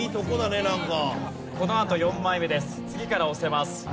このあと４枚目です。